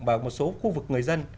và một số khu vực người dân